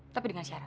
tapi dengan syarat